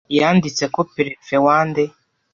be yanditse ko Perefe wa Ndé